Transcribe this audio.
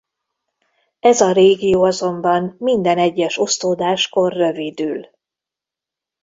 Ez a régió azonban minden egyes osztódáskor rövidül.